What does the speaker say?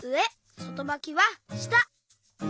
そとばきはした。